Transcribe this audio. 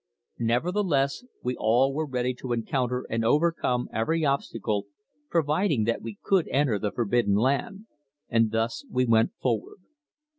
Nevertheless we all were ready to encounter and overcome every obstacle providing that we could enter the forbidden land, and thus we went forward.